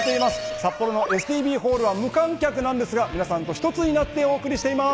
札幌のＳＴＶホールは無観客ですが、皆さんと一つになってお送りしています。